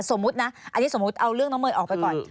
สมมุตินะอันนี้สมมุติเอาเรื่องน้องเมย์ออกไปก่อน